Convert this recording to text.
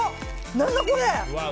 何だこれ！